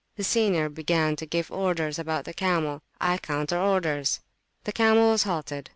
The senior began to give orders about the camelI, counter orders. The camel was halted.